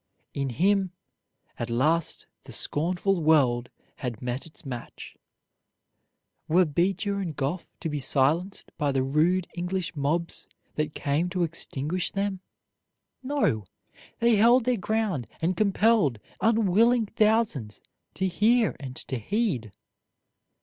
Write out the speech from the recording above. In him "at last the scornful world had met its match." Were Beecher and Gough to be silenced by the rude English mobs that came to extinguish them? No! they held their ground and compelled unwilling thousands to hear and to heed.